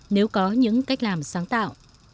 nếu có những cách làm sáng tạo